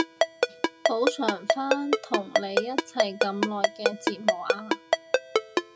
補償返同你一齊咁耐嘅折磨啊